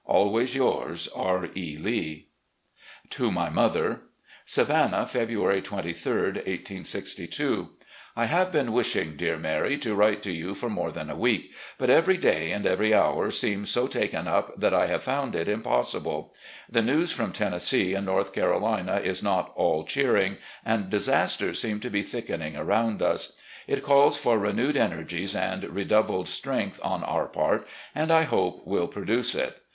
... Always yours, "R. E. Lee." To my mother: "Savannah, February 23, 1862. " I have been wishing, dear Mary, to write to you for more than a week, but every day and every hour seem so taken up that I have found it impossible. ... The news from Tennessee and North Carolina is not all cheering, and disasters seem to be thickening arotmd us. It calls for renewed energies and redoubled strength on our part, and, I hope, will produce it.